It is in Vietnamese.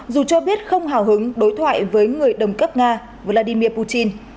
dù cho biết không hào hứng đối thoại với người đồng cấp nga vladimir putin